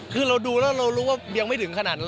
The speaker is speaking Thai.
คือเราดูแล้วเรารู้ว่ายังไม่ถึงขนาดนั้น